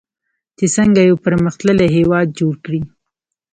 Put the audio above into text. چې څنګه یو پرمختللی هیواد جوړ کړي.